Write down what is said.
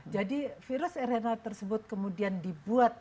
jadi virus rna tersebut kemudian dibuat